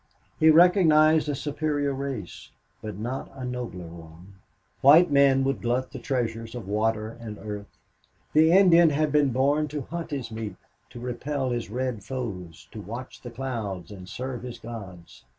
He recognized a superior race, but not a nobler one. White men would glut the treasures of water and earth. The Indian had been born to hunt his meat, to repel his red foes, to watch the clouds and serve his gods.